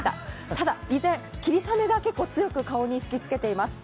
ただ、依然、霧雨が結構強く顔に吹き付けています。